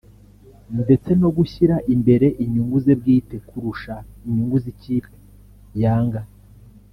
ndetse no gushyira imbere inyungu ze bwite kurusha inyungu z’ikipe (Yanga)